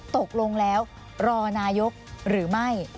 ตกลงแล้วรอนายกหรือไม่